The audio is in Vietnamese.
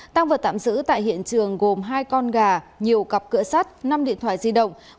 tăng vật tạm giữ tại hiện trường gồm hai con gà nhiều cặp cửa sắt năm điện thoại di động